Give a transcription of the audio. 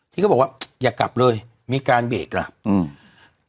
ที่เขาบอกว่าอย่ากลับเลยมีการเบรกล่ะอืม